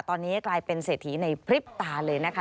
ตอนนี้กลายเป็นเศรษฐีในพริบตาเลยนะคะ